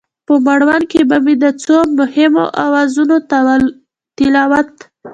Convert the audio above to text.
په مړوند کې به مې د څو مهینو اوازونو تلاوت،